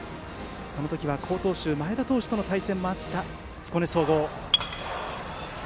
その時は好投手前田投手との対戦もあった彦根総合。